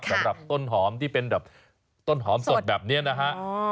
สำหรับต้นหอมที่เป็นแบบต้นหอมสดแบบนี้นะฮะ